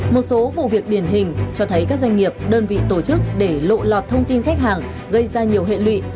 một số vụ việc điển hình cho thấy các doanh nghiệp đơn vị tổ chức để lộ lọt thông tin khách hàng gây ra nhiều hệ lụy